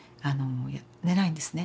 寝ないんですね。